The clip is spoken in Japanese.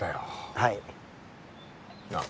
はいなあ